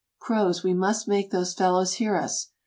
" Croz, we must make those fellows hear us."